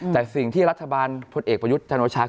แต่สิ่งที่รัฐบาลพลเอกประยุทธ์จันโอชา